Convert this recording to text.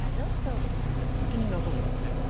先になぞるんですね。